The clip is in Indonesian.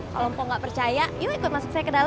kalau mpok nggak percaya yuk ikut masuk saya ke dalam